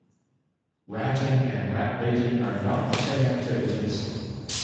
Ratting and Rat-baiting are not the same activities.